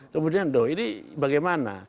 kemudian doh ini bagaimana